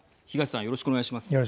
よろしくお願いします。